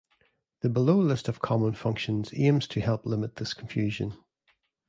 The below list of common functions aims to help limit this confusion.